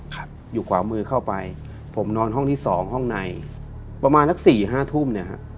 ครับอยู่ขวามือเข้าไปผมนอนห้องที่สองห้องในประมาณสักสี่ห้าทุ่มเนี่ยฮะ